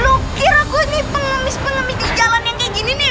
lu kira gue ini pengemis pengemis di jalan yang kayak gini nih